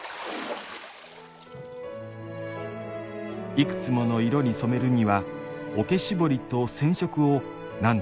いくつもの色に染めるには桶絞りと染色を何度も繰り返します。